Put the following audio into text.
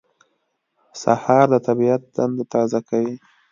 سهار د طبیعت دنده تازه کوي.